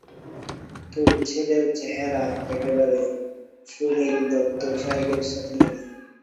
তোর ছেলের চেহারা, একেবারে সুনিল দত্ত সাহেবের সাথে মিলে!